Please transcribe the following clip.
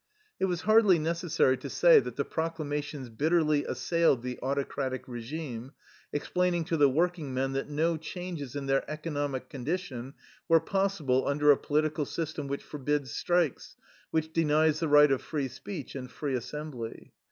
It was hardly necessary to say that the proclamations bitterly assailed the au tocratic regime, explaining to the working men that no changes in their economic condition were possible under a political system which forbids strikes, which denies the right of free speech and free assembly.